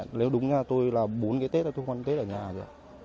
nếu đúng là tôi là bốn cái tết là tôi không có gì